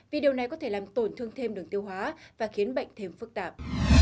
vì điều này có thể làm tổn thương thêm đường tiêu hóa và khiến bệnh thêm phức tạp